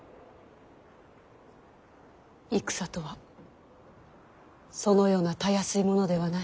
戦とはそのようなたやすいものではない。